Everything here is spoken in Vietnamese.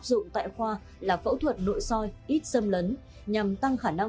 xin kính chào và hẹn gặp lại vào khung giờ này ngày mai